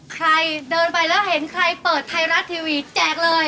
ใครเดินไปแล้วเห็นใครเปิดไทยรัฐทีวีแจกเลย